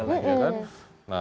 juga ada yang jalannya demam